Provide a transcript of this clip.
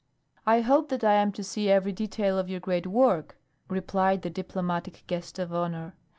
"I hope that I am to see every detail of your great work," replied the diplomatic guest of honor.